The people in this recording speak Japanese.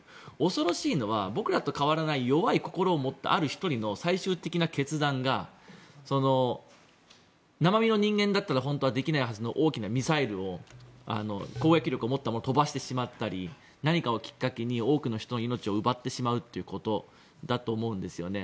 恐ろしいのは僕らと変わらない弱い心を持ったある１人の人間の最終的な決断が生身の人間だったら本当はできないはずの大きなミサイルを攻撃力を持ったものを飛ばしてしまったり何かをきっかけに多くの人の命を奪ってしまうことだと思うんですよね。